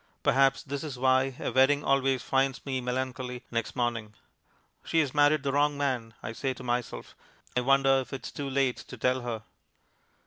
Perhaps this is why a wedding always finds me melancholy next morning. "She has married the wrong man," I say to myself. "I wonder if it is too late to tell her."